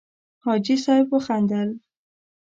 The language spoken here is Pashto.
حاجي صیب وخندل.